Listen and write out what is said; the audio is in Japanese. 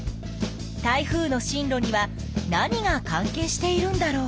台風の進路には何が関係しているんだろう？